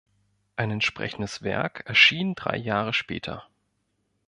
Ein entsprechendes Werk erschien drei Jahre später.